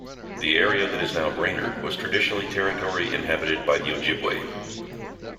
The area that is now Brainerd was traditionally territory inhabited by the Ojibwe.